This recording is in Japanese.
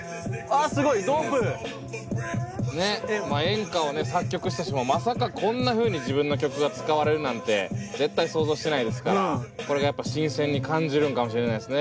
演歌をね作曲した人もまさかこんなふうに自分の曲が使われるなんて絶対想像してないですからこれがやっぱ新鮮に感じるんかもしれないですね